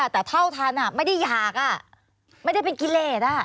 แต่เท่าทันไม่ได้อยากไม่ได้เป็นกิเลส